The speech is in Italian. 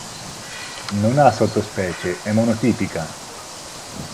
Non ha sottospecie, è monotipica.